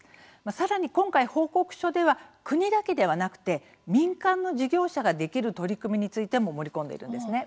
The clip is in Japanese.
さらに今回、報告書では国だけではなくて民間の事業者ができる取り組みについても盛り込んでいるんですね。